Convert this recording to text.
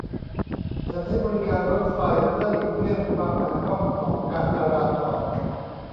ฉันใช้บริการรถไฟเพื่อหลีกเลี่ยงความขัดข้องของการจราจร